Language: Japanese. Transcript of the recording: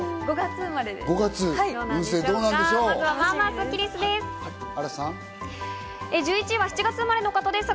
私は５月生まれです。